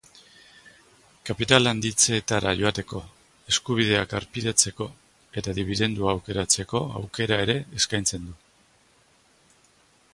Kapital handitzeetara joateko, eskubideak harpidetzeko eta dibidendua aukeratzeko aukera ere eskaintzen du.